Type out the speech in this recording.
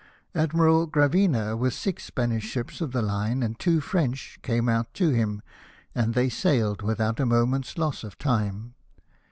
Admiral Gravina, with six Spanish ships of the line and two French, came out to him, and they sailed without a moment's loss of time.